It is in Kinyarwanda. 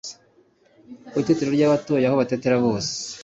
ku itetero ry'abatoya aho batetera bose